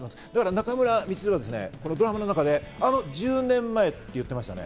中村充はドラマの中で「あの１０年前」と言ってましたね。